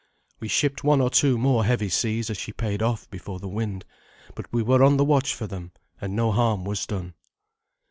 We shipped one or two more heavy seas as she paid off before the wind, but we were on the watch for them, and no harm was done.